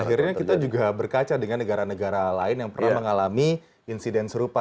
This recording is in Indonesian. akhirnya kita juga berkaca dengan negara negara lain yang pernah mengalami insiden serupa